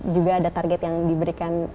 juga ada target yang diberikan